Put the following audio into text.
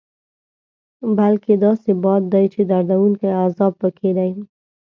بلکې داسې باد دی چې دردوونکی عذاب پکې دی.